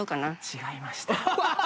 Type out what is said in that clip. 違いました。